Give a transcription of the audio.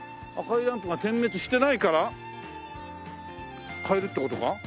赤いランプが点滅してないから買えるって事か？